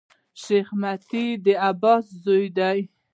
شېخ متي د عباس زوی دﺉ.